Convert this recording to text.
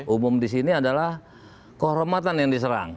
umum di sini adalah kehormatan yang diserang